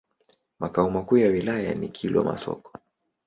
Makao makuu ya wilaya ni Kilwa Masoko.